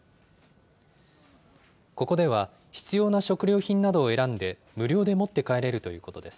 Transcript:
ここでは、必要な食料品などを選んで、無料で持って帰れるということです。